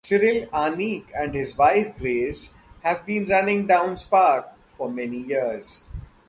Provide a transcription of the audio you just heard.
Cyril Annick and his wife Grace have been running Downs Park for many years.